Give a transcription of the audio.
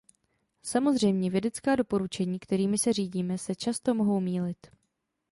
Samozřejmě, vědecká doporučení, kterými se řídíme, se často mohou mýlit.